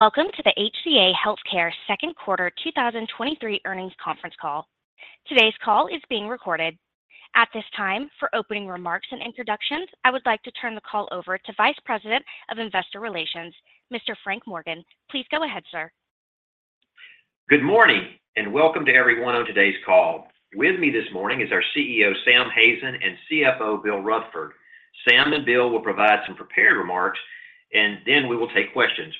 Welcome to the HCA Healthcare Second Quarter 2023 Earnings Conference Call. Today's call is being recorded. At this time, for opening remarks and introductions, I would like to turn the call over to Vice President of Investor Relations, Mr. Frank Morgan. Please go ahead, sir. Good morning, welcome to everyone on today's call. With me this morning is our CEO, Sam Hazen, and CFO, Bill Rutherford. Sam and Bill will provide some prepared remarks, and then we will take questions.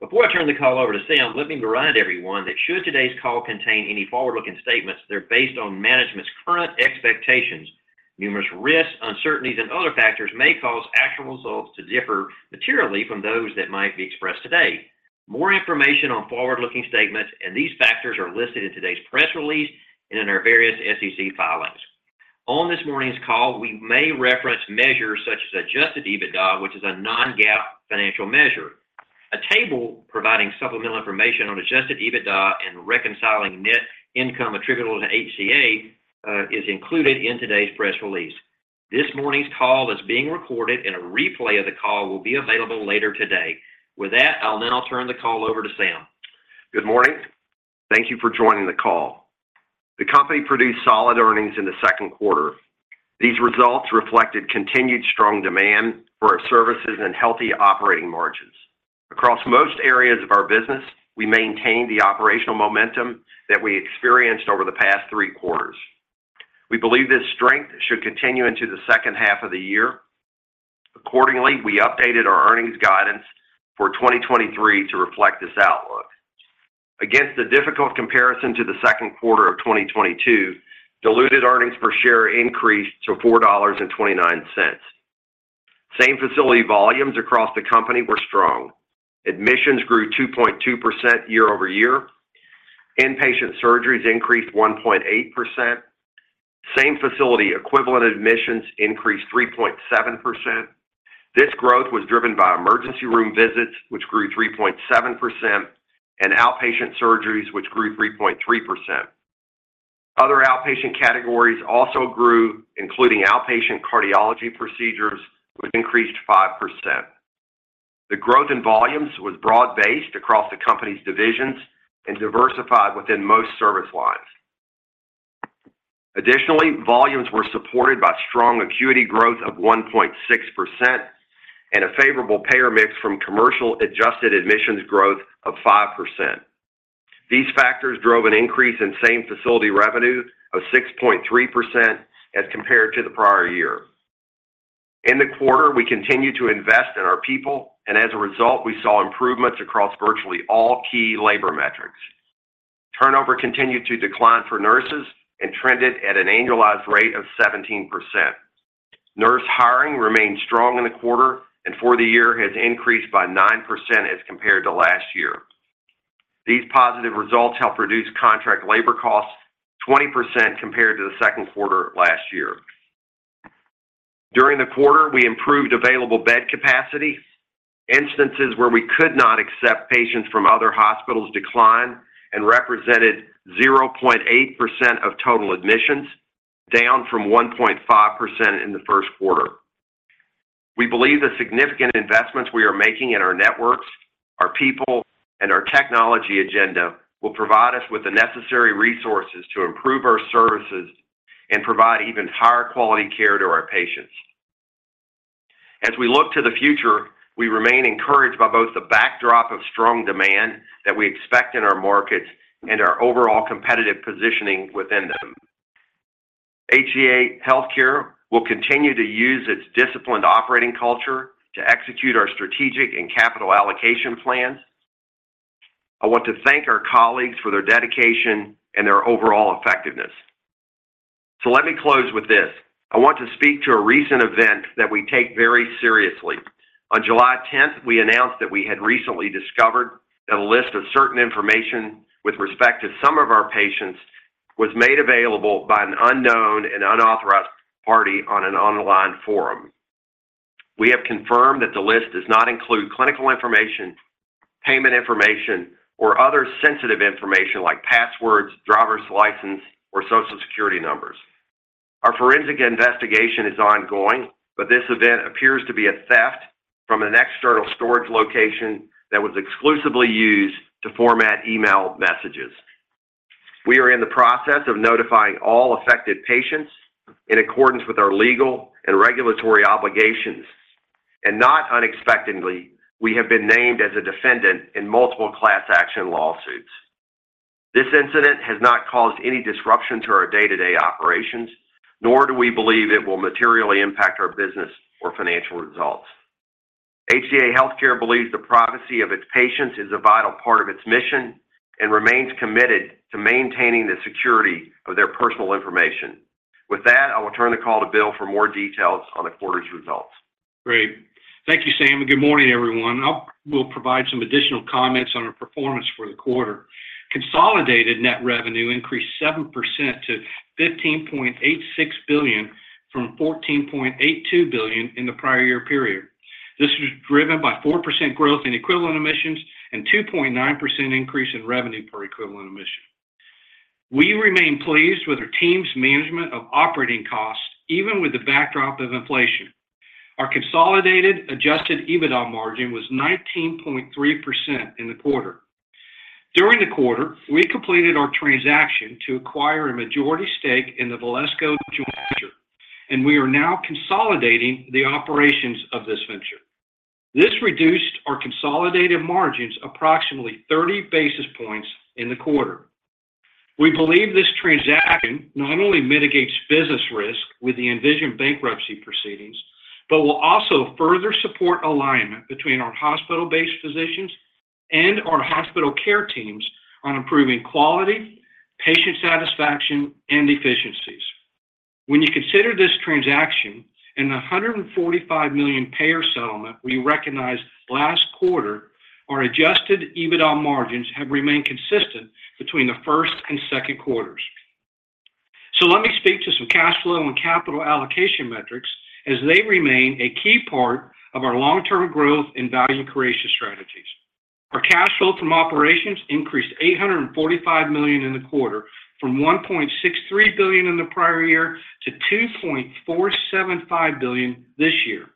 Before I turn the call over to Sam, let me remind everyone that should today's call contain any forward-looking statements, they're based on management's current expectations. Numerous risks, uncertainties, and other factors may cause actual results to differ materially from those that might be expressed today. More information on forward-looking statements and these factors are listed in today's press release and in our various SEC filings. On this morning's call, we may reference measures such as adjusted EBITDA, which is a non-GAAP financial measure. A table providing supplemental information on adjusted EBITDA and reconciling net income attributable to HCA is included in today's press release. This morning's call is being recorded, and a replay of the call will be available later today. With that, I'll now turn the call over to Sam. Good morning. Thank you for joining the call. The company produced solid earnings in the second quarter. These results reflected continued strong demand for our services and healthy operating margins. Across most areas of our business, we maintained the operational momentum that we experienced over the past three quarters. We believe this strength should continue into the second half of the year. Accordingly, we updated our earnings guidance for 2023 to reflect this outlook. Against a difficult comparison to the second quarter of 2022, diluted earnings per share increased to $4.29. Same-facility volumes across the company were strong. Admissions grew 2.2% year-over-year, inpatient surgeries increased 1.8%, same-facility equivalent admissions increased 3.7%. This growth was driven by emergency room visits, which grew 3.7%, and outpatient surgeries, which grew 3.3%. Other outpatient categories also grew, including outpatient cardiology procedures, which increased 5%. The growth in volumes was broad-based across the company's divisions and diversified within most service lines. Additionally, volumes were supported by strong acuity growth of 1.6% and a favorable payer mix from commercial adjusted admissions growth of 5%. These factors drove an increase in same-facility revenue of 6.3% as compared to the prior year. In the quarter, we continued to invest in our people, and as a result, we saw improvements across virtually all key labor metrics. Turnover continued to decline for nurses and trended at an annualized rate of 17%. Nurse hiring remained strong in the quarter and for the year has increased by 9% as compared to last year. These positive results helped reduce contract labor costs 20% compared to the second quarter last year. During the quarter, we improved available bed capacity. Instances where we could not accept patients from other hospitals declined and represented 0.8% of total admissions, down from 1.5% in the first quarter. We believe the significant investments we are making in our networks, our people, and our technology agenda will provide us with the necessary resources to improve our services and provide even higher quality care to our patients. As we look to the future, we remain encouraged by both the backdrop of strong demand that we expect in our markets and our overall competitive positioning within them. HCA Healthcare will continue to use its disciplined operating culture to execute our strategic and capital allocation plans. I want to thank our colleagues for their dedication and their overall effectiveness. Let me close with this: I want to speak to a recent event that we take very seriously. On July tenth, we announced that we had recently discovered that a list of certain information with respect to some of our patients was made available by an unknown and unauthorized party on an online forum. We have confirmed that the list does not include clinical information, payment information, or other sensitive information like passwords, driver's license, or Social Security numbers. Our forensic investigation is ongoing. This event appears to be a theft from an external storage location that was exclusively used to format email messages. We are in the process of notifying all affected patients in accordance with our legal and regulatory obligations. Not unexpectedly, we have been named as a defendant in multiple class action lawsuits. This incident has not caused any disruption to our day-to-day operations, nor do we believe it will materially impact our business or financial results. HCA Healthcare believes the privacy of its patients is a vital part of its mission and remains committed to maintaining the security of their personal information. With that, I will turn the call to Bill for more details on the quarter's results. Great. Thank you, Sam. Good morning, everyone. I will provide some additional comments on our performance for the quarter. Consolidated net revenue increased 7% to $15.86 billion from $14.82 billion in the prior year period. This was driven by 4% growth in equivalent admissions and 2.9% increase in revenue per equivalent admission. We remain pleased with our team's management of operating costs, even with the backdrop of inflation. Our consolidated adjusted EBITDA margin was 19.3% in the quarter. During the quarter, we completed our transaction to acquire a majority stake in the Valesco Joint Venture, and we are now consolidating the operations of this venture. This reduced our consolidated margins approximately 30 basis points in the quarter. We believe this transaction not only mitigates business risk with the Envision bankruptcy proceedings, but will also further support alignment between our hospital-based physicians and our hospital care teams on improving quality, patient satisfaction, and efficiencies. When you consider this transaction and the $145 million payer settlement we recognized last quarter, our adjusted EBITDA margins have remained consistent between the first and second quarters. Let me speak to some cash flow and capital allocation metrics as they remain a key part of our long-term growth and value creation strategies. Our cash flow from operations increased $845 million in the quarter, from $1.63 billion in the prior year to $2.475 billion this year.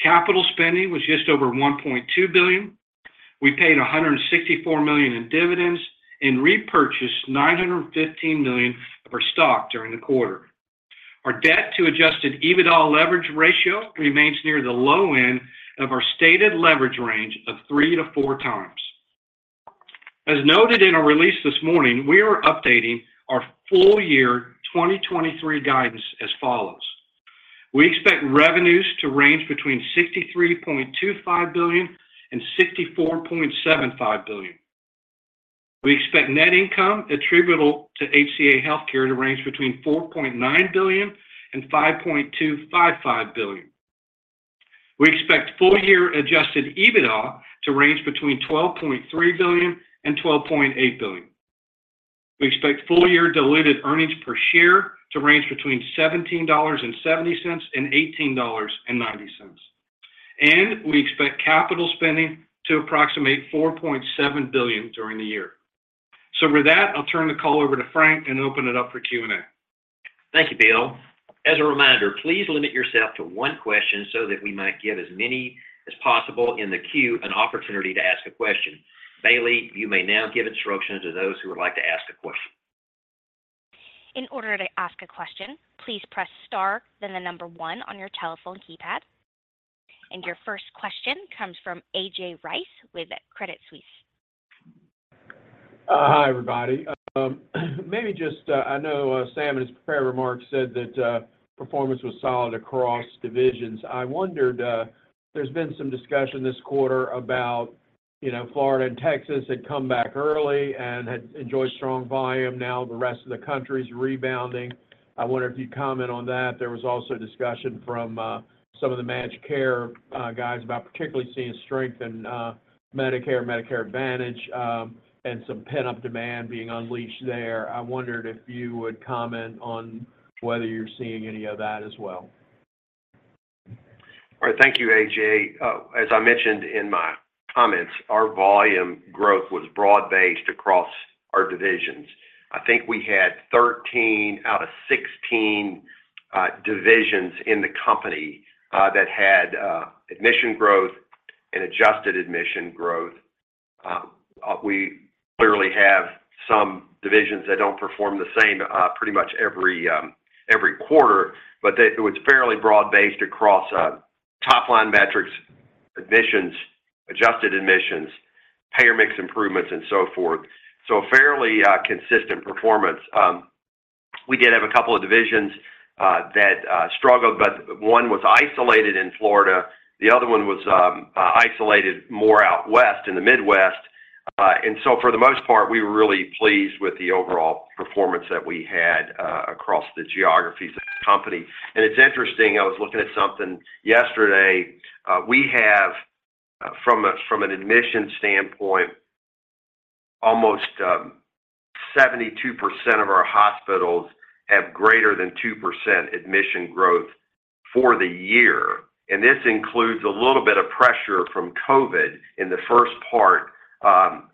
Capital spending was just over $1.2 billion. We paid $164 million in dividends and repurchased $915 million of our stock during the quarter. Our debt to adjusted EBITDA leverage ratio remains near the low end of our stated leverage range of 3x to 4x. As noted in our release this morning, we are updating our full-year 2023 guidance as follows: We expect revenues to range between $63.25 billion and $64.75 billion. We expect net income attributable to HCA Healthcare to range between $4.9 billion and $5.255 billion. We expect full-year adjusted EBITDA to range between $12.3 billion and $12.8 billion. We expect full-year diluted earnings per share to range between $17.70 and $18.90. We expect capital spending to approximate $4.7 billion during the year. With that, I'll turn the call over to Frank and open it up for Q&A. Thank you, Bill. As a reminder, please limit yourself to one question so that we might give as many as possible in the queue an opportunity to ask a question. Bailey, you may now give instructions to those who would like to ask a question. In order to ask a question, please press Star, then the number one on your telephone keypad. Your first question comes from A.J. Rice with Credit Suisse. Hi, everybody. Maybe just, I know, Sam, in his prepared remarks, said that performance was solid across divisions. I wondered, there's been some discussion this quarter about, you know, Florida and Texas had come back early and had enjoyed strong volume. Now the rest of the country's rebounding. I wonder if you'd comment on that. There was also discussion from some of the managed care guys about particularly seeing strength in Medicare, Medicare Advantage, and some pent-up demand being unleashed there. I wondered if you would comment on whether you're seeing any of that as well. All right. Thank you, A.J. As I mentioned in my comments, our volume growth was broad-based across our divisions. I think we had 13 out of 16 divisions in the company that had admission growth and adjusted admission growth. We clearly have some divisions that don't perform the same pretty much every quarter, but it was fairly broad-based across top-line metrics, admissions, adjusted admissions, payer mix improvements, and so forth. A fairly consistent performance. We did have a couple of divisions that struggled, but one was isolated in Florida, the other one was isolated more out west in the Midwest. For the most part, we were really pleased with the overall performance that we had across the geographies of the company. It's interesting, I was looking at something yesterday. We have, from an admission standpoint, almost 72% of our hospitals have greater than 2% admission growth for the year, and this includes a little bit of pressure from COVID in the first part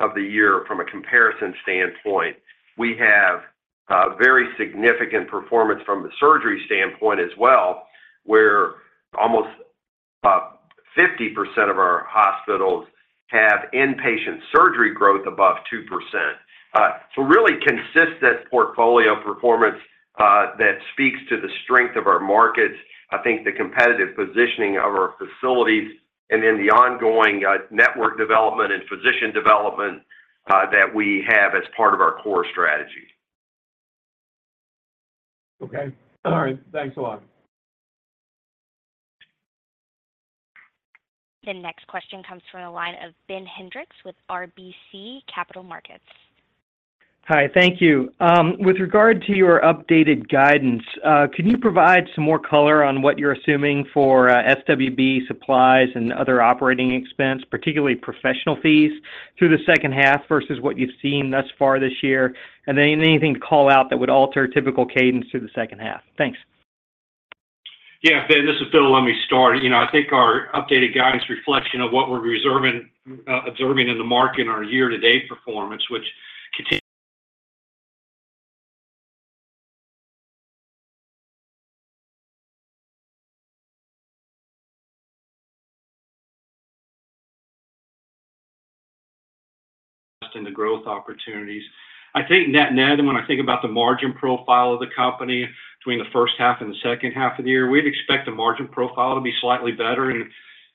of the year from a comparison standpoint. We have very significant performance from a surgery standpoint as well, where almost 50% of our hospitals have inpatient surgery growth above 2%. Really consistent portfolio performance that speaks to the strength of our markets, I think the competitive positioning of our facilities, and then the ongoing network development and physician development that we have as part of our core strategy. Okay. All right. Thanks a lot. The next question comes from the line of Ben Hendrix with RBC Capital Markets. Hi, thank you. with regard to your updated guidance, can you provide some more color on what you're assuming for SWB supplies and other operating expense, particularly professional fees, through the second half versus what you've seen thus far this year? Anything to call out that would alter typical cadence through the second half? Thanks. Yeah, Ben, this is Bill. Let me start. You know, I think our updated guidance reflection of what we're reserving, observing in the market in our year-to-date performance, which continues in the growth opportunities. I think net-net, when I think about the margin profile of the company between the first half and the second half of the year, we'd expect the margin profile to be slightly better in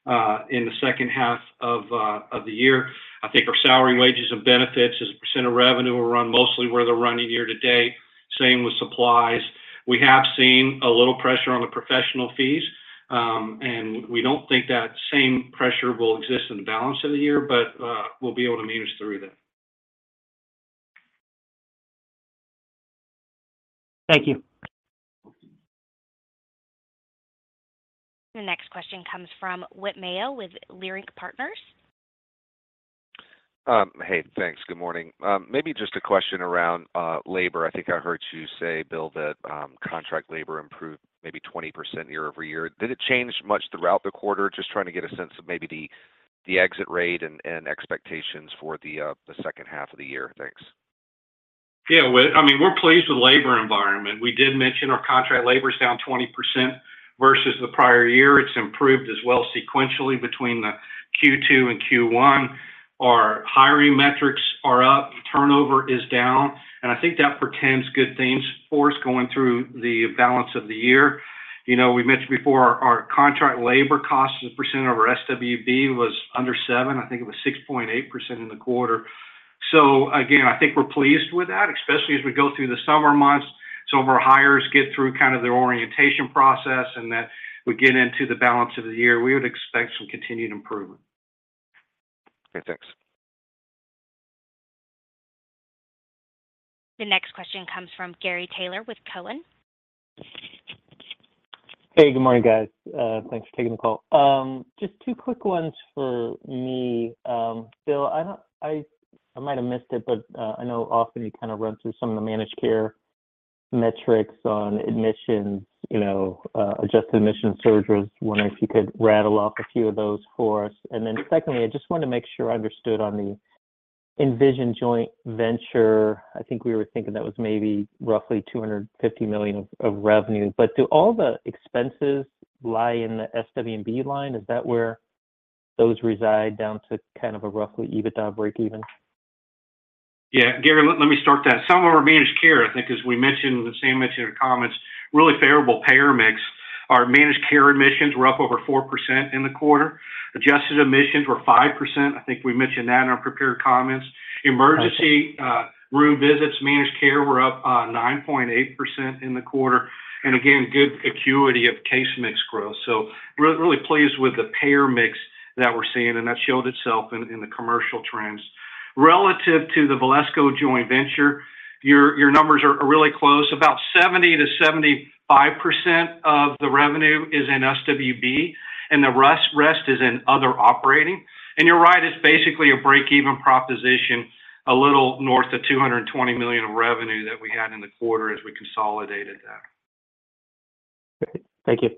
the second half of the year. I think our salary, wages, and benefits as a percent of revenue will run mostly where they're running year-to-date. Same with supplies. We have seen a little pressure on the professional fees, and we don't think that same pressure will exist in the balance of the year, but we'll be able to manage through that. Thank you. The next question comes from Whit Mayo with Leerink Partners. Hey, thanks. Good morning. Maybe just a question around labor. I think I heard you say, Bill, that contract labor improved maybe 20% year-over-year. Did it change much throughout the quarter? Just trying to get a sense of maybe the exit rate and expectations for the second half of the year. Thanks. Yeah, Whit, I mean, we're pleased with labor environment. We did mention our contract labor is down 20% versus the prior year. It's improved as well sequentially between the Q2 and Q1. Our hiring metrics are up, turnover is down, and I think that portends good things for us going through the balance of the year. You know, we mentioned before, our contract labor costs as a percent of our SWB was under seven, I think it was 6.8% in the quarter. Again, I think we're pleased with that, especially as we go through the summer months. Some of our hires get through kind of their orientation process, and that we get into the balance of the year, we would expect some continued improvement. Okay, thanks. The next question comes from Gary Taylor with Cowen. Hey, good morning, guys. Thanks for taking the call. Just two quick ones for me. Bill, I might have missed it, but I know often you kind of run through some of the managed care metrics on admissions, you know, adjusted admission surgeries. Wondering if you could rattle off a few of those for us? Secondly, I just wanted to make sure I understood on the Envision joint venture. I think we were thinking that was maybe roughly $250 million of revenue, but do all the expenses lie in the SWB line? Is that where those reside, down to kind of a roughly EBITDA breakeven? Yeah, Gary, let me start that. Some of our managed care, I think, as we mentioned, the same mentioned comments, really favorable payer mix. Our managed care admissions were up over 4% in the quarter. Adjusted admissions were 5%. I think we mentioned that in our prepared comments. Okay. Emergency room visits, managed care were up 9.8% in the quarter, good acuity of case mix growth. Really pleased with the payer mix that we're seeing, and that showed itself in the commercial trends. Relative to the Valesco Joint Venture, your numbers are really close. About 70%-75% of the revenue is in SWB, the rest is in other operating. You're right, it's basically a break-even proposition, a little north of $220 million of revenue that we had in the quarter as we consolidated that. Great. Thank you.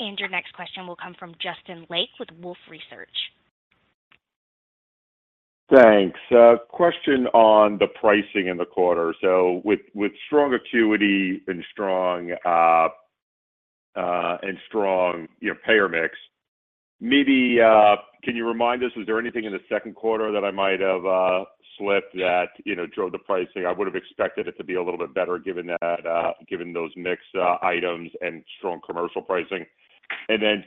Your next question will come from Justin Lake with Wolfe Research. Thanks. Question on the pricing in the quarter. With strong acuity and strong, and strong, you know, payer mix, maybe, can you remind us, was there anything in the second quarter that I might have slipped that, you know, drove the pricing? I would have expected it to be a little bit better, given that, given those mixed items and strong commercial pricing. Then,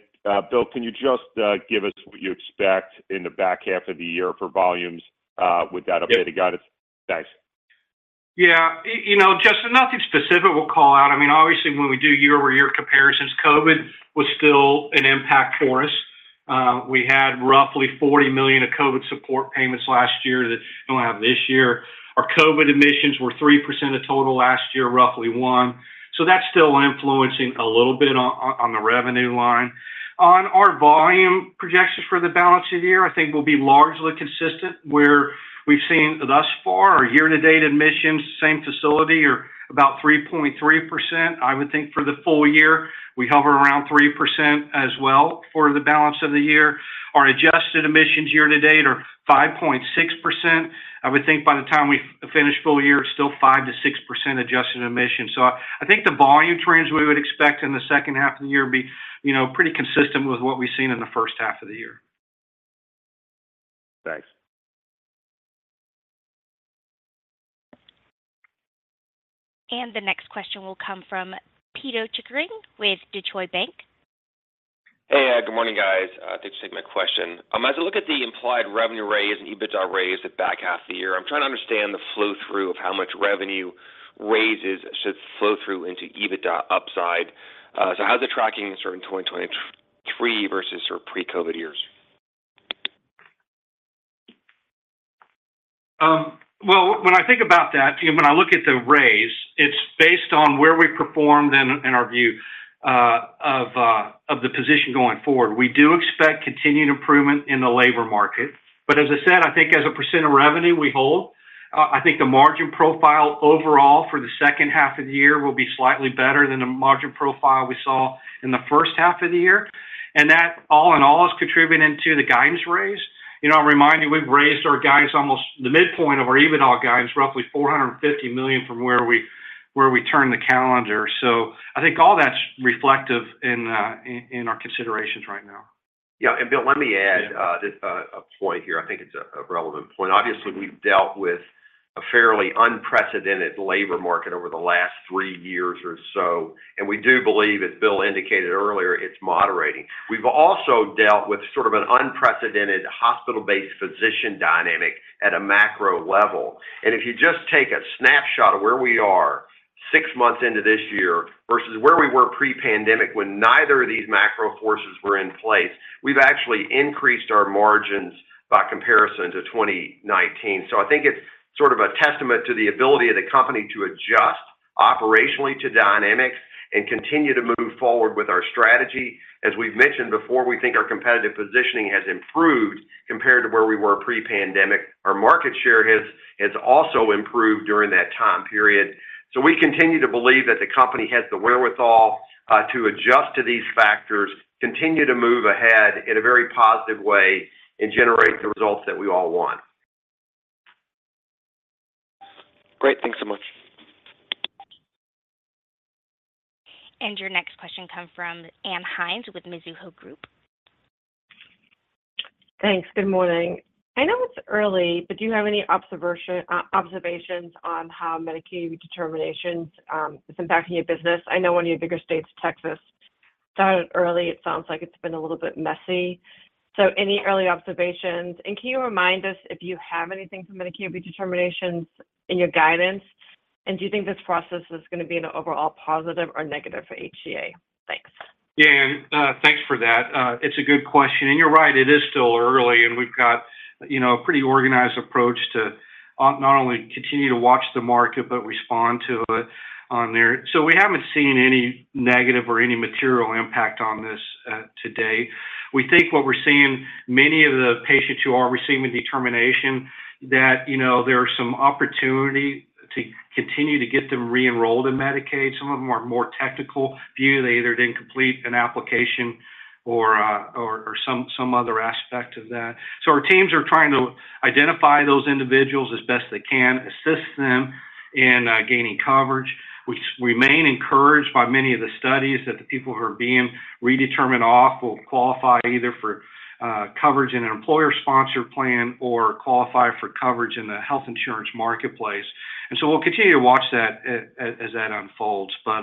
Bill, can you just give us what you expect in the back half of the year for volumes, with that updated guidance? Yeah. Thanks. Yeah, you know, Justin, nothing specific we'll call out. I mean, obviously, when we do year-over-year comparisons, COVID was still an impact for us. We had roughly $40 million of COVID support payments last year that we don't have this year. Our COVID admissions were 3% of total last year, roughly 1%. That's still influencing a little bit on the revenue line. On our volume projections for the balance of the year, I think we'll be largely consistent, where we've seen thus far, our year-to-date admissions, same-facility or about 3.3%. I would think for the full-year, we hover around 3% as well for the balance of the year. Our adjusted admissions year to date are 5.6%. I would think by the time we finish full-year, it's still 5%-6% adjusted admission. I think the volume trends we would expect in the second half of the year be, you know, pretty consistent with what we've seen in the first half of the year. Thanks. The next question will come from Pito Chickering with Deutsche Bank. Hey, good morning, guys. Thanks for taking my question. As I look at the implied revenue raise and EBITDA raise the back half of the year, I'm trying to understand the flow-through of how much revenue raises should flow through into EBITDA upside. How's the tracking sort of in 2023 versus your pre-COVID years? Well, when I think about that, when I look at the raise, it's based on where we performed in, in our view. Of the position going forward. We do expect continued improvement in the labor market, as I said, I think as a percent of revenue we hold, I think the margin profile overall for the second half of the year will be slightly better than the margin profile we saw in the first half of the year. That, all in all, is contributing to the guidance raise. You know, I'll remind you, we've raised our guidance the midpoint of our even our guidance, roughly $450 million from where we turned the calendar. I think all that's reflective in our considerations right now. Yeah, Bill, let me add just a point here. I think it's a relevant point. Obviously, we've dealt with a fairly unprecedented labor market over the last three years or so, and we do believe, as Bill indicated earlier, it's moderating. We've also dealt with sort of an unprecedented hospital-based physician dynamic at a macro level. If you just take a snapshot of where we are six months into this year versus where we were pre-pandemic, when neither of these macro forces were in place, we've actually increased our margins by comparison to 2019. I think it's sort of a testament to the ability of the company to adjust operationally to dynamics and continue to move forward with our strategy. As we've mentioned before, we think our competitive positioning has improved compared to where we were pre-pandemic. Our market share has also improved during that time period. We continue to believe that the company has the wherewithal to adjust to these factors, continue to move ahead in a very positive way, and generate the results that we all want. Great. Thanks so much. Your next question comes from Ann Hynes with Mizuho Group. Thanks. Good morning. I know it's early, but do you have any observations on how Medicaid determinations is impacting your business? I know one of your bigger states, Texas, started early. It sounds like it's been a little bit messy. Any early observations? Can you remind us if you have anything from Medicaid determinations in your guidance? Do you think this process is gonna be an overall positive or negative for HCA? Thanks. Yeah, thanks for that. It's a good question. You're right, it is still early, and we've got, you know, a pretty organized approach to not only continue to watch the market but respond to it on there. We haven't seen any negative or any material impact on this today. We think what we're seeing, many of the patients who are receiving determination, that, you know, there are some opportunity to continue to get them re-enrolled in Medicaid. Some of them are more technical. Few, they either didn't complete an application or some other aspect of that. Our teams are trying to identify those individuals as best they can, assist them in gaining coverage. We remain encouraged by many of the studies that the people who are being redetermined off will qualify either for coverage in an employer-sponsored plan or qualify for coverage in the Health Insurance Marketplace. We'll continue to watch that as that unfolds, but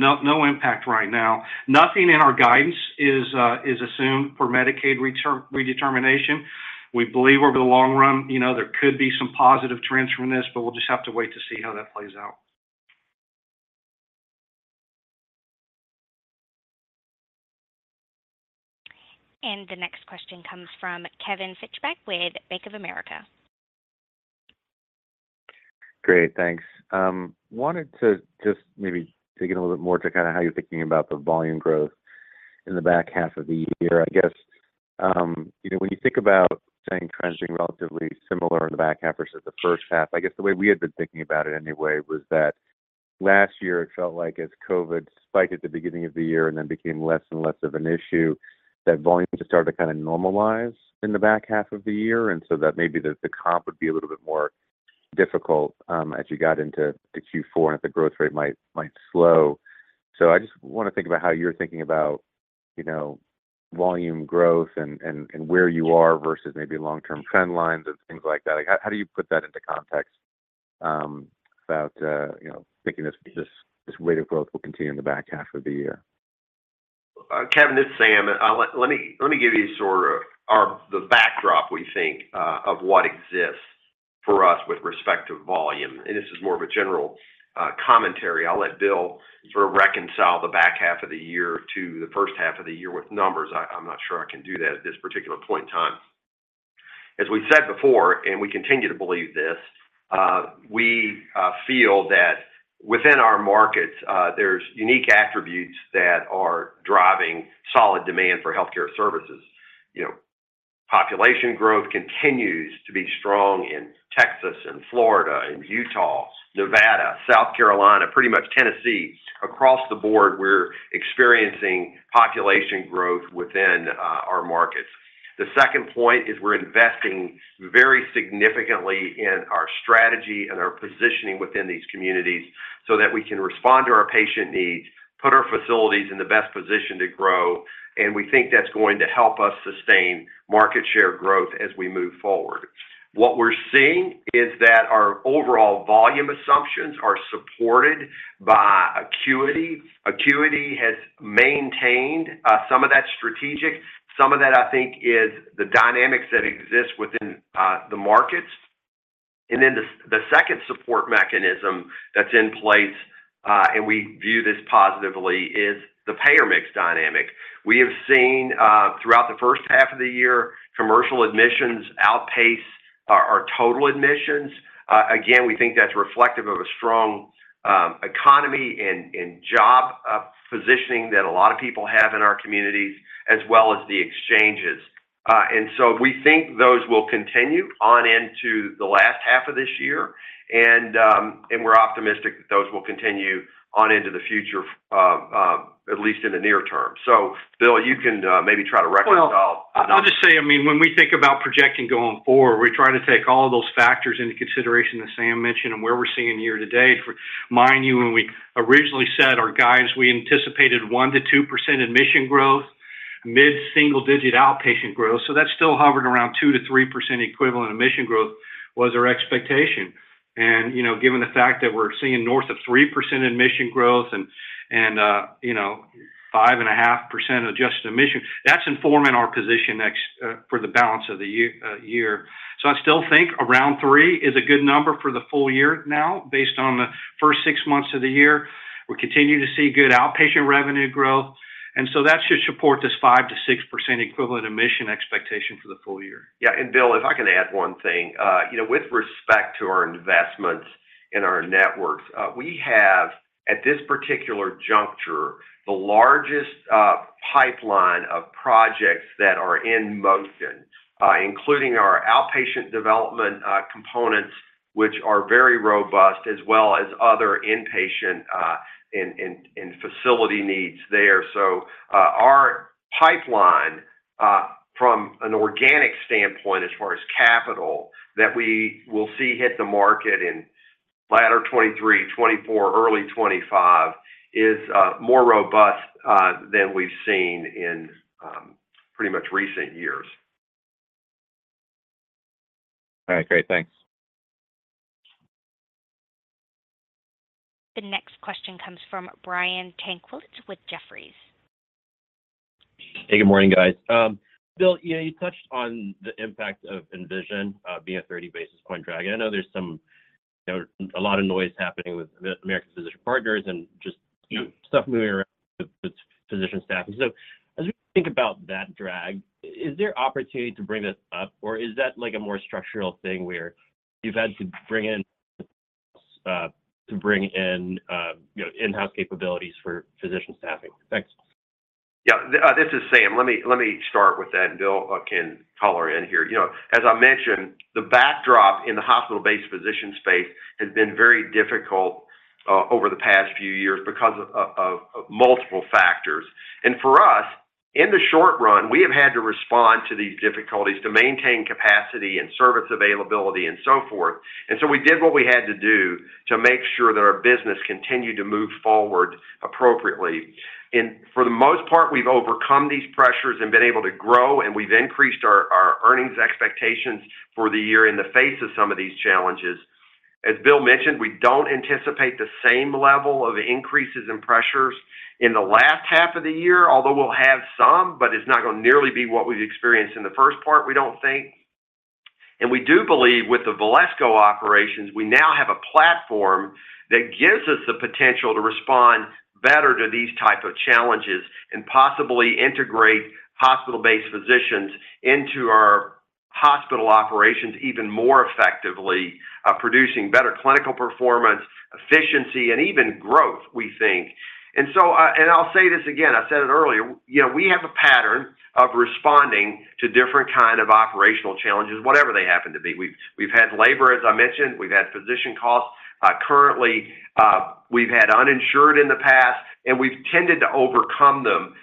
no impact right now. Nothing in our guidance is assumed for Medicaid redetermination. We believe over the long run, you know, there could be some positive trends from this, but we'll just have to wait to see how that plays out. The next question comes from Kevin Fischbeck with Bank of America. Great, thanks. Wanted to just maybe dig in a little bit more to kinda how you're thinking about the volume growth in the back half of the year. I guess, you know, when you think about saying trending relatively similar in the back half versus the first half, I guess the way we had been thinking about it anyway, was that last year it felt like as COVID spiked at the beginning of the year and then became less and less of an issue, that volumes just started to kinda normalize in the back half of the year. That maybe the, the comp would be a little bit more difficult, as you got into the Q4, and the growth rate might slow. I just wanna think about how you're thinking about, you know, volume growth and where you are versus maybe long-term trend lines and things like that. How do you put that into context about, you know, thinking this rate of growth will continue in the back half of the year? Kevin, this is Sam. let me, let me give you sort of our the backdrop we think of what exists for us with respect to volume, and this is more of a general commentary. I'll let Bill sort of reconcile the back half of the year to the first half of the year with numbers. I'm not sure I can do that at this particular point in time. As we've said before, and we continue to believe this, we feel that within our markets, there's unique attributes that are driving solid demand for healthcare services. You know, population growth continues to be strong in Texas and Florida, in Utah, Nevada, South Carolina, pretty much Tennessee. Across the board, we're experiencing population growth within our markets. The second point is we're investing very significantly in our strategy and our positioning within these communities so that we can respond to our patient needs, put our facilities in the best position to grow, and we think that's going to help us sustain market share growth as we move forward. What we're seeing is that our overall volume assumptions are supported by acuity. Acuity has maintained some of that strategic. Some of that, I think, is the dynamics that exist within the markets. The second support mechanism that's in place, and we view this positively, is the payer mix dynamic. We have seen, throughout the first half of the year, commercial admissions outpace. our total admissions, again, we think that's reflective of a strong economy and job positioning that a lot of people have in our communities, as well as the Exchanges. We think those will continue on into the last half of this year, and we're optimistic that those will continue on into the future, at least in the near term. Bill, you can maybe try to reconcile. Well, I'll just say, I mean, when we think about projecting going forward, we try to take all those factors into consideration, as Sam mentioned, and where we're seeing year-to-date. Mind you, when we originally set our guides, we anticipated 1%-2% admission growth, mid-single digit outpatient growth. That's still hovering around 2%-3% equivalent admission growth was our expectation. Given the fact that we're seeing north of 3% admission growth and, you know, 5.5% adjusted admission, that's informing our position next for the balance of the year. I still think around three is a good number for the full-year now, based on the first six months of the year. We continue to see good outpatient revenue growth, and so that should support this 5%-6% equivalent admission expectation for the full-year. Bill, if I can add one thing, you know, with respect to our investments in our networks, we have, at this particular juncture, the largest pipeline of projects that are in motion, including our outpatient development components, which are very robust, as well as other inpatient and facility needs there. Our pipeline, from an organic standpoint, as far as capital, that we will see hit the market in latter 2023, 2024, early 2025, is more robust than we've seen in pretty much recent years. All right, great. Thanks. The next question comes from Brian Tanquilut with Jefferies. Hey, good morning, guys. Bill, you know, you touched on the impact of Envision, being a 30 basis point drag. I know there's some, you know, a lot of noise happening with American Physician Partners and just- Yeah Stuff moving around with physician staffing. As we think about that drag, is there opportunity to bring this up, or is that, like, a more structural thing where you've had to bring in, you know, in-house capabilities for physician staffing? Thanks. Yeah, this is Sam. Let me start with that, and Bill can color in here. You know, as I mentioned, the backdrop in the hospital-based physician space has been very difficult over the past few years because of multiple factors. For us, in the short run, we have had to respond to these difficulties to maintain capacity and service availability and so forth. We did what we had to do to make sure that our business continued to move forward appropriately. For the most part, we've overcome these pressures and been able to grow, and we've increased our earnings expectations for the year in the face of some of these challenges. As Bill mentioned, we don't anticipate the same level of increases in pressures in the last half of the year, although we'll have some, but it's not gonna nearly be what we've experienced in the first part, we don't think. We do believe with the Valesco operations, we now have a platform that gives us the potential to respond better to these type of challenges and possibly integrate hospital-based physicians into our hospital operations even more effectively, producing better clinical performance, efficiency, and even growth, we think. I'll say this again, I said it earlier, you know, we have a pattern of responding to different kind of operational challenges, whatever they happen to be. We've had labor, as I mentioned, we've had physician costs. Currently, we've had uninsured in the past, and we've tended to overcome them.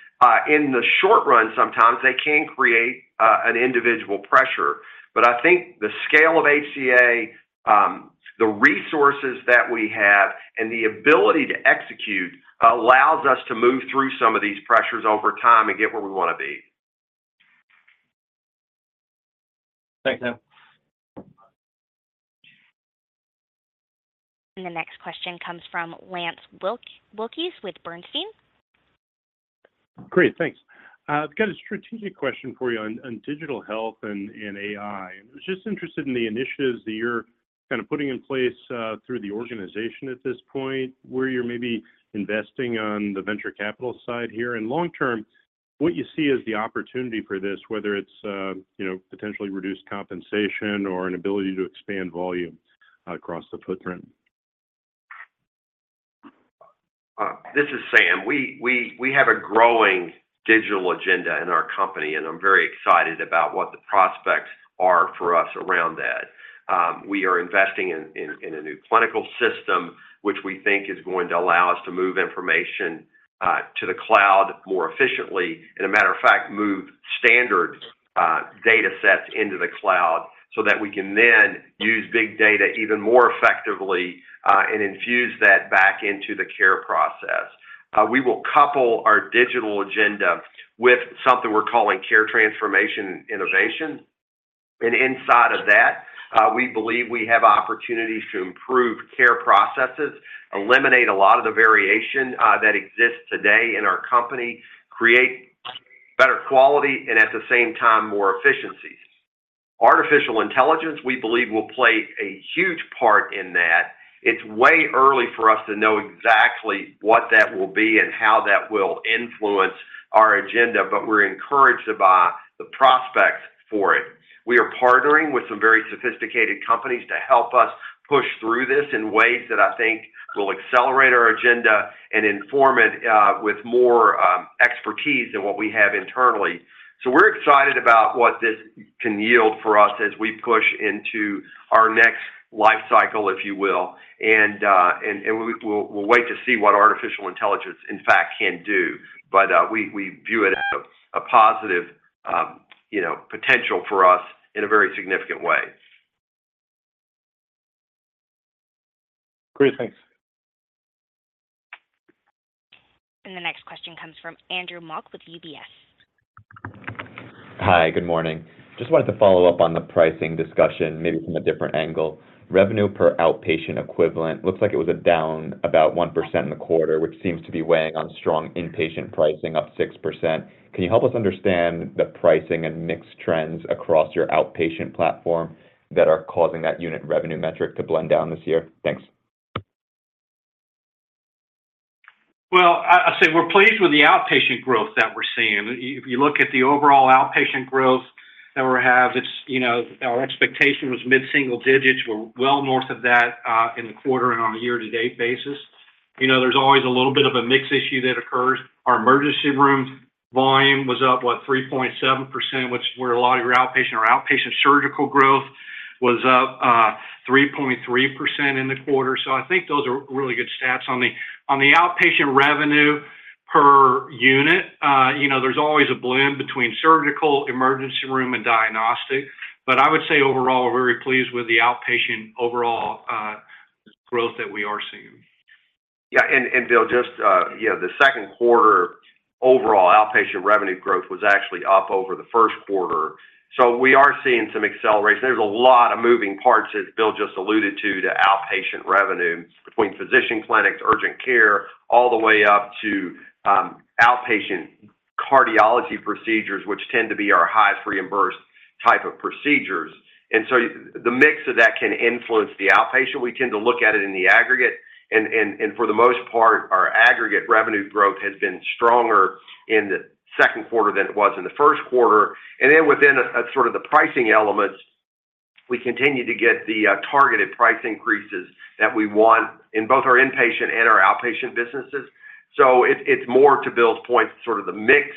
In the short run, sometimes they can create an individual pressure, but I think the scale of HCA, the resources that we have, and the ability to execute, allows us to move through some of these pressures over time and get where we wanna be. Thanks, Sam. The next question comes from Lance Wilkes with Bernstein. Great, thanks. I've got a strategic question for you on, on digital health and AI. I was just interested in the initiatives that you're kind of putting in place through the organization at this point, where you're maybe investing on the venture capital side here. Long-term, what you see as the opportunity for this, whether it's, you know, potentially reduced compensation or an ability to expand volume across the footprint? This is Sam. We have a growing digital agenda in our company, and I am very excited about what the prospects are for us around that. We are investing in a new clinical system, which we think is going to allow us to move information to the cloud more efficiently, and as a matter of fact, move standard datasets into the cloud so that we can then use big data even more effectively and infuse that back into the care process. We will couple our digital agenda with something we are calling care transformation innovation. And inside of that, we believe we have opportunities to improve care processes, eliminate a lot of the variation that exists today in our company, create better quality, and at the same time, more efficiencies. Artificial intelligence, we believe, will play a huge part in that It's way early for us to know exactly what that will be and how that will influence our agenda, but we're encouraged about the prospects for it. We are partnering with some very sophisticated companies to help us push through this in ways that I think will accelerate our agenda and inform it with more expertise than what we have internally. We're excited about what this can yield for us as we push into our next life cycle, if you will, and we'll wait to see what artificial intelligence, in fact, can do. We view it as a positive, you know, potential for us in a very significant way. Great. Thanks. The next question comes from Andrew Mok with UBS. Hi, good morning. Just wanted to follow up on the pricing discussion, maybe from a different angle. Revenue per outpatient equivalent, looks like it was a down about 1% in the quarter, which seems to be weighing on strong inpatient pricing, up 6%. Can you help us understand the pricing and mix trends across your outpatient platform that are causing that unit revenue metric to blend down this year? Thanks. Well, I'd say we're pleased with the outpatient growth that we're seeing. If you look at the overall outpatient growth that we have, it's, you know, our expectation was mid-single digits. We're well north of that in the quarter and on a year-to-date basis. You know, there's always a little bit of a mix issue that occurs. Our emergency room volume was up, what, 3.7%, which where a lot of your outpatient or outpatient surgical growth was up 3.3% in the quarter. I think those are really good stats. On the outpatient revenue per unit, you know, there's always a blend between surgical, emergency room, and diagnostic. I would say overall, we're very pleased with the outpatient overall growth that we are seeing. Yeah, Bill, just, you know, the second quarter overall outpatient revenue growth was actually up over the first quarter. We are seeing some acceleration. There's a lot of moving parts, as Bill just alluded to, to outpatient revenue, between physician clinics, urgent care, all the way up to outpatient cardiology procedures, which tend to be our highest reimbursed type of procedures. The mix of that can influence the outpatient. We tend to look at it in the aggregate, and for the most part, our aggregate revenue growth has been stronger in the second quarter than it was in the first quarter. Within the sort of the pricing elements, we continue to get the targeted price increases that we want in both our inpatient and our outpatient businesses. It's more to Bill's point, sort of the mix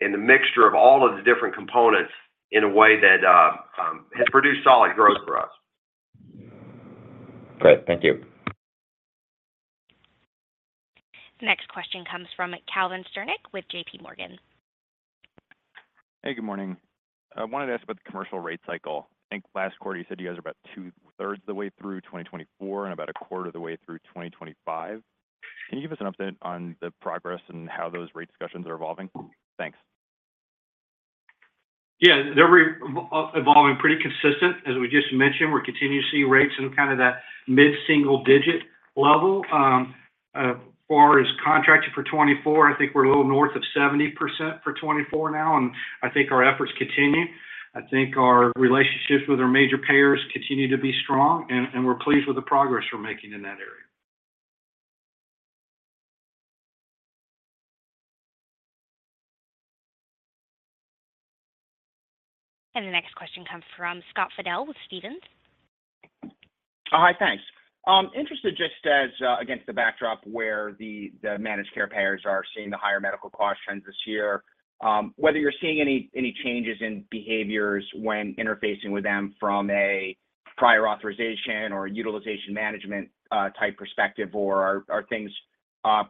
and the mixture of all of the different components in a way that has produced solid growth for us. Great. Thank you. The next question comes from Calvin Sternick with JPMorgan. Hey, good morning. I wanted to ask about the commercial rate cycle. I think last quarter, you said you guys are about two-thirds of the way through 2024 and about a quarter of the way through 2025. Can you give us an update on the progress and how those rate discussions are evolving? Thanks. They're evolving pretty consistent. As we just mentioned, we're continuing to see rates in kind of that mid-single digit level. Far as contracted for 2024, I think we're a little north of 70% for 2024 now. I think our efforts continue. I think our relationships with our major payers continue to be strong, and we're pleased with the progress we're making in that area. The next question comes from Scott Fidel with Stephens. Hi, thanks. Interested just as against the backdrop where the managed care payers are seeing the higher medical cost trends this year, whether you're seeing any changes in behaviors when interfacing with them from a prior authorization or utilization management type perspective, or are things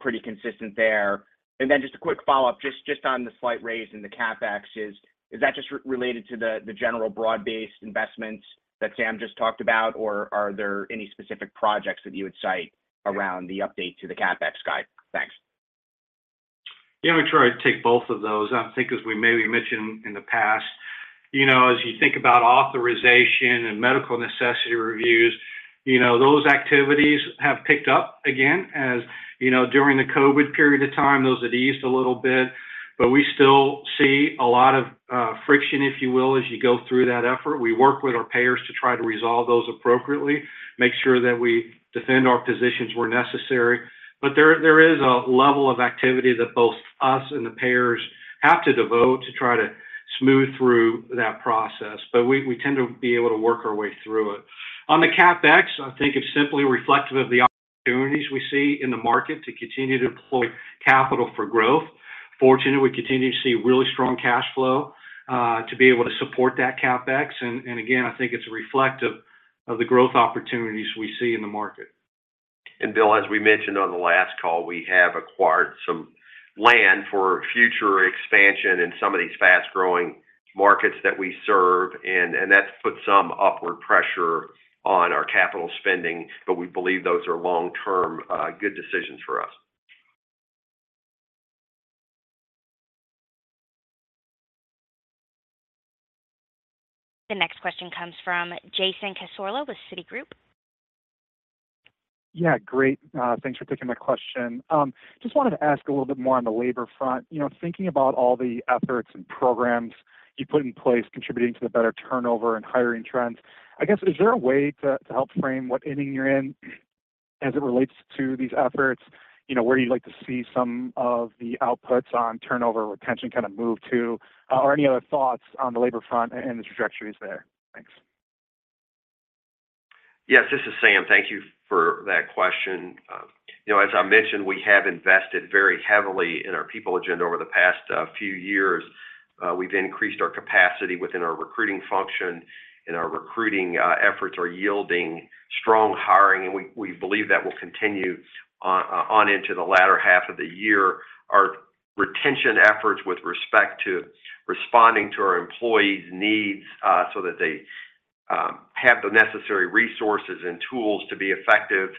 pretty consistent there? Just a quick follow-up, just on the slight raise in the CapEx is that just related to the general broad-based investments that Sam just talked about, or are there any specific projects that you would cite around the update to the CapEx guide? Thanks. Yeah, I'm gonna try to take both of those. I think, as we maybe mentioned in the past, you know, as you think about authorization and medical necessity reviews, you know, those activities have picked up again. As you know, during the COVID period of time, those had eased a little bit, but we still see a lot of friction, if you will, as you go through that effort. We work with our payers to try to resolve those appropriately, make sure that we defend our positions where necessary. But there is a level of activity that both us and the payers have to devote to try to smooth through that process, but we tend to be able to work our way through it. On the CapEx, I think it's simply reflective of the opportunities we see in the market to continue to deploy capital for growth. Fortunately, we continue to see really strong cash flow, to be able to support that CapEx. Again, I think it's reflective of the growth opportunities we see in the market. Bill, as we mentioned on the last call, we have acquired some land for future expansion in some of these fast-growing markets that we serve, and that's put some upward pressure on our capital spending, we believe those are long-term, good decisions for us. The next question comes from Jason Cassorla with Citigroup. Yeah, great. Thanks for taking my question. Just wanted to ask a little bit more on the labor front. You know, thinking about all the efforts and programs you put in place, contributing to the better turnover and hiring trends, I guess, is there a way to help frame what inning you're in? As it relates to these efforts, you know, where you'd like to see some of the outputs on turnover, retention kind of move to, or any other thoughts on the labor front and the trajectories there? Thanks. Yes, this is Sam. Thank you for that question. You know, as I mentioned, we have invested very heavily in our people agenda over the past few years. We've increased our capacity within our recruiting function, and our recruiting efforts are yielding strong hiring, and we believe that will continue on into the latter half of the year. Our retention efforts with respect to responding to our employees' needs, so that they have the necessary resources and tools to be effective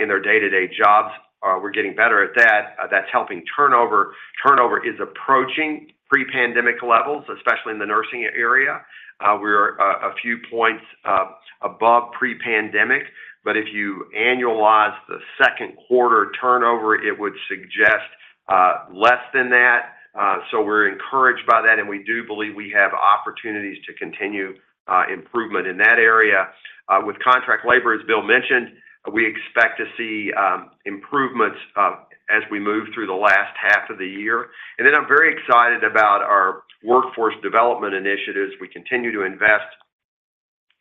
in their day-to-day jobs, we're getting better at that. That's helping turnover. Turnover is approaching pre-pandemic levels, especially in the nursing area. We're a few points above pre-pandemic, but if you annualize the second quarter turnover, it would suggest less than that. We're encouraged by that, and we do believe we have opportunities to continue improvement in that area. With contract labor, as Bill mentioned, we expect to see improvements as we move through the last half of the year. I'm very excited about our workforce development initiatives. We continue to invest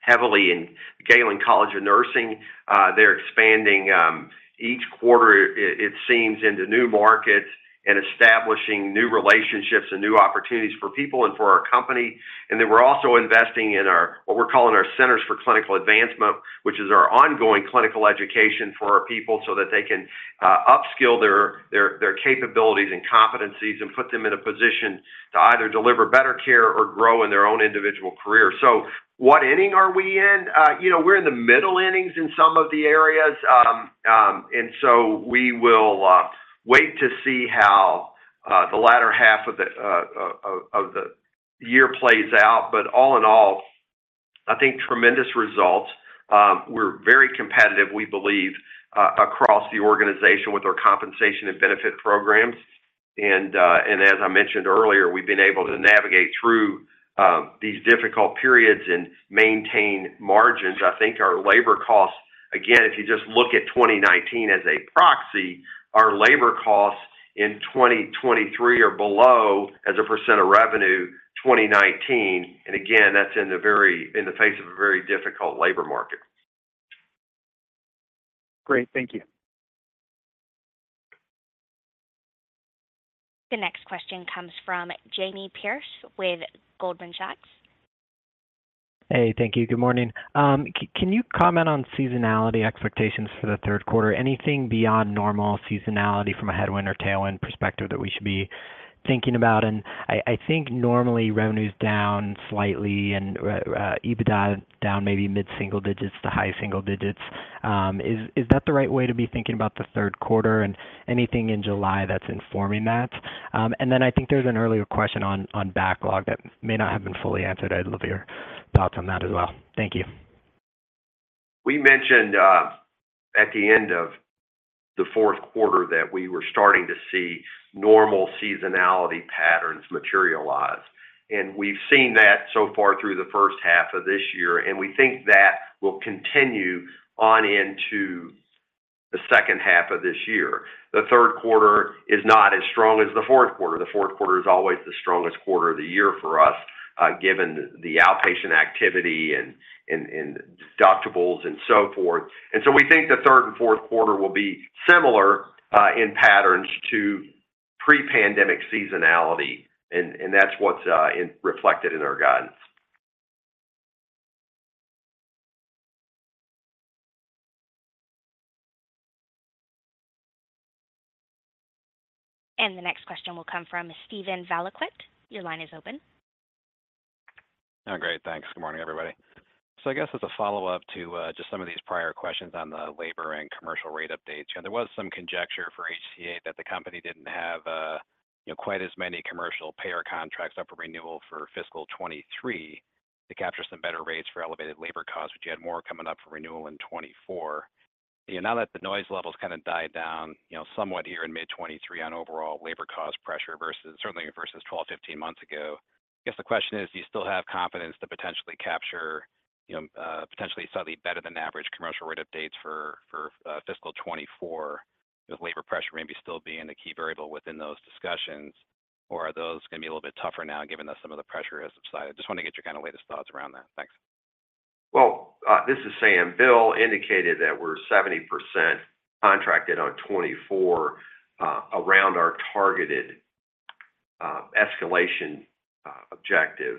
heavily in Galen College of Nursing. They're expanding each quarter, it seems, into new markets and establishing new relationships and new opportunities for people and for our company. We're also investing in our, what we're calling our Centers for Clinical Advancement, which is our ongoing clinical education for our people, so that they can upskill their capabilities and competencies, and put them in a position to either deliver better care or grow in their own individual career. What inning are we in? You know, we're in the middle innings in some of the areas. We will wait to see how the latter half of the year plays out, but all in all, I think tremendous results. We're very competitive, we believe, across the organization with our compensation and benefit programs, as I mentioned earlier, we've been able to navigate through these difficult periods and maintain margins. I think our labor costs, again, if you just look at 2019 as a proxy, our labor costs in 2023 are below, as a percent of revenue, 2019, and again, that's in the face of a very difficult labor market. Great. Thank you. The next question comes from Jamie Perse with Goldman Sachs. Hey, thank you. Good morning. Can you comment on seasonality expectations for the third quarter? Anything beyond normal seasonality from a headwind or tailwind perspective that we should be thinking about? I think normally, revenue's down slightly and EBITDA down maybe mid-single digits to high single digits. Is that the right way to be thinking about the third quarter and anything in July that's informing that? Then I think there's an earlier question on backlog that may not have been fully answered. I'd love your thoughts on that as well. Thank you. We mentioned at the end of the fourth quarter that we were starting to see normal seasonality patterns materialize. We've seen that so far through the first half of this year. We think that will continue on into the second half of this year. The third quarter is not as strong as the fourth quarter. The fourth quarter is always the strongest quarter of the year for us, given the outpatient activity and deductibles and so forth. We think the third and fourth quarter will be similar in patterns to pre-pandemic seasonality, and that's what's reflected in our guidance. The next question will come from Steven Valiquette. Your line is open. Great, thanks. Good morning, everybody. I guess as a follow-up to just some of these prior questions on the labor and commercial rate updates, there was some conjecture for HCA that the company didn't have, you know, quite as many commercial payer contracts up for renewal for fiscal 2023 to capture some better rates for elevated labor costs, which you had more coming up for renewal in 2024. Now that the noise level's kind of died down, you know, somewhat here in mid-2023 on overall labor cost pressure versus, certainly versus 12, 15 months ago, I guess the question is, do you still have confidence to potentially capture, you know, potentially slightly better than average commercial rate updates for fiscal 2024, with labor pressure maybe still being the key variable within those discussions? Are those going to be a little bit tougher now, given that some of the pressure has subsided? Just want to get your kind of latest thoughts around that. Thanks. Well, this is Sam. Bill indicated that we're 70% contracted on 2024 around our targeted escalation objective.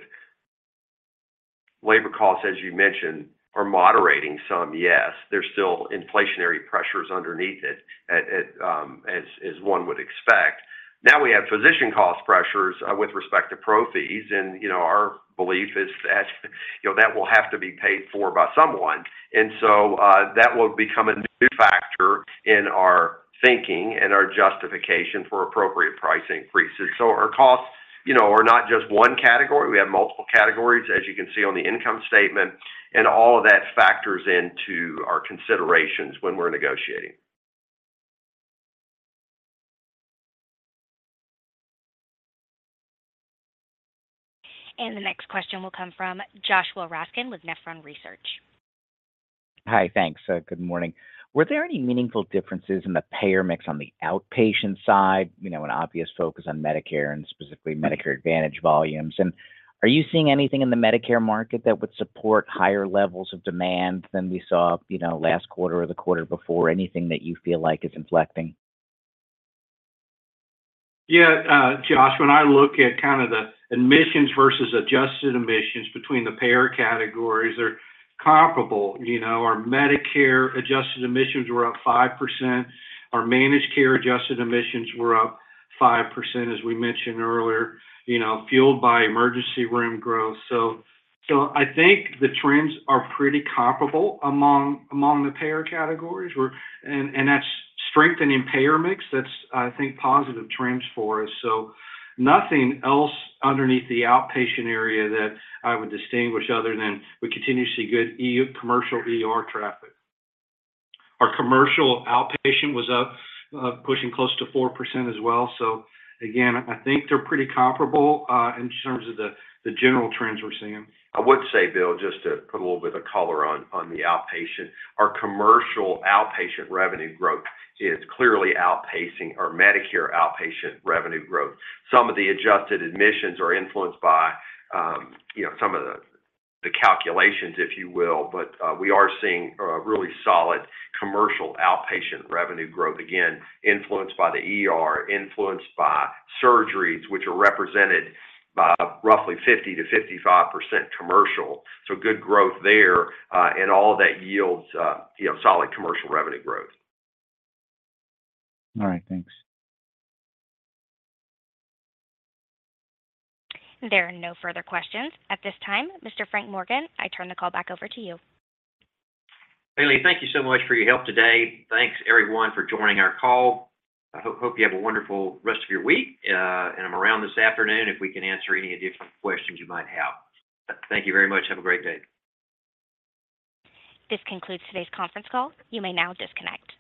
Labor costs, as you mentioned, are moderating some, yes. There's still inflationary pressures underneath it, at as one would expect. Now, we have physician cost pressures with respect to pro fees, and, you know, our belief is that, you know, that will have to be paid for by someone. That will become a new factor in our thinking and our justification for appropriate price increases. Our costs, you know, are not just one category. We have multiple categories, as you can see on the income statement, and all of that factors into our considerations when we're negotiating. The next question will come from Joshua Raskin with Nephron Research. Hi, thanks. Good morning. Were there any meaningful differences in the payer mix on the outpatient side? You know, an obvious focus on Medicare and specifically Medicare Advantage volumes. Are you seeing anything in the Medicare market that would support higher levels of demand than we saw, you know, last quarter or the quarter before? Anything that you feel like is inflecting? Yeah, Josh, when I look at kind of the admissions versus adjusted admissions between the payer categories, they're comparable. You know, our Medicare adjusted admissions were up 5%. Our managed care adjusted admissions were up 5%, as we mentioned earlier, you know, fueled by emergency room growth. I think the trends are pretty comparable among the payer categories, and that's strengthening payer mix. That's, I think, positive trends for us. Nothing else underneath the outpatient area that I would distinguish other than we continue to see good commercial ER traffic. Our commercial outpatient was up, pushing close to 4% as well. Again, I think they're pretty comparable in terms of the general trends we're seeing. I would say, Bill, just to put a little bit of color on the outpatient. Our commercial outpatient revenue growth is clearly outpacing our Medicare outpatient revenue growth. Some of the adjusted admissions are influenced by, you know, some of the calculations, if you will, but we are seeing really solid commercial outpatient revenue growth, again, influenced by the ER, influenced by surgeries, which are represented by roughly 50%-55% commercial. Good growth there, and all of that yields, you know, solid commercial revenue growth. All right. Thanks. There are no further questions. At this time, Mr. Frank Morgan, I turn the call back over to you. Bailey, thank you so much for your help today. Thanks, everyone, for joining our call. I hope you have a wonderful rest of your week, and I'm around this afternoon if we can answer any additional questions you might have. Thank you very much. Have a great day. This concludes today's conference call. You may now disconnect.